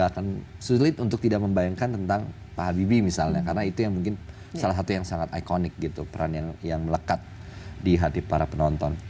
akan sulit untuk tidak membayangkan tentang pak habibie misalnya karena itu yang mungkin salah satu yang sangat ikonik gitu peran yang melekat di hati para penonton